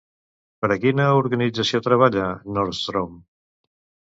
Per a quina organització treballa Nordstrom?